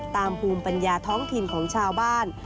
ภูมิปัญญาท้องถิ่นของชาวบ้าน